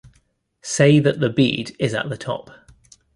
Say that the bead is at the top.